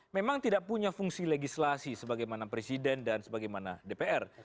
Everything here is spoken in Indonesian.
memang tidak punya fungsi legislasi sebagaimana presiden dan sebagaimana dpr